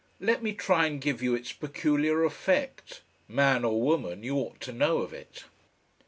Let me try and give you its peculiar effect. Man or woman, you ought to know of it.